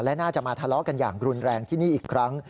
และน่าจะมาทะเลาะกันอย่างรุนแรงที่นี่อีกครั้ง